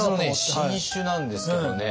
新酒なんですけどね。